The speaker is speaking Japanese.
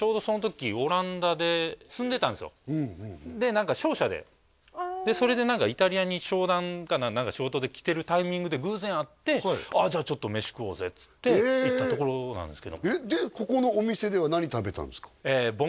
何か商社でそれで何かイタリアに商談何か仕事で来てるタイミングで偶然会って「じゃあちょっと飯食おうぜ」っつって行ったところなんですけどでここのお店では何食べたんですか？